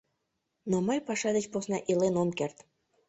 Но мый паша деч посна илен ом керт.